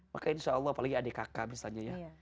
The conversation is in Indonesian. maka insya allah apalagi adik kakak misalnya ya